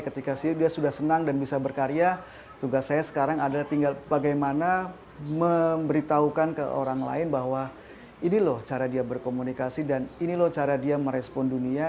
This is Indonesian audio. ketika dia sudah senang dan bisa berkarya tugas saya sekarang adalah tinggal bagaimana memberitahukan ke orang lain bahwa ini loh cara dia berkomunikasi dan ini loh cara dia merespon dunia